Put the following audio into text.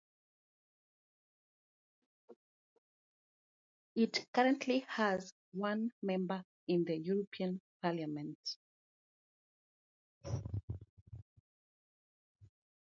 It currently has one member in the European Parliament.